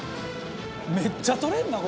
「めっちゃとれるな！